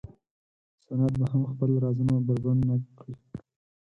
سنت به هم خپل رازونه بربنډ نه کړي.